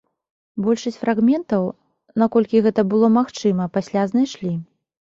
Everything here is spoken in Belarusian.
Большасць фрагментаў, наколькі гэта было магчыма, пасля знайшлі.